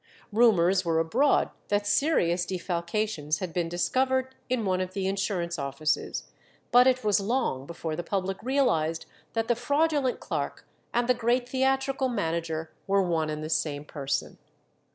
Rumours were abroad that serious defalcations had been discovered in one of the insurance offices, but it was long before the public realized that the fraudulent clerk and the great theatrical manager were one and the same person.